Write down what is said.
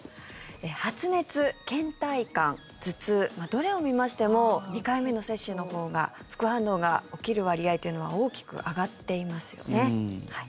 発熱、けん怠感、頭痛どれを見ましても２回目の接種のほうが副反応が起きる割合というのは大きく上がっていますよね。